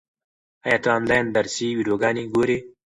ایا ته آنلاین درسي ویډیوګانې ګورې؟